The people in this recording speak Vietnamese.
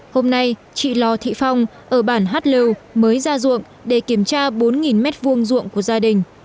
hôm nay chị lò thị phong ở bản hát lưu mới ra ruộng để kiểm tra bốn m hai ruộng của gia đình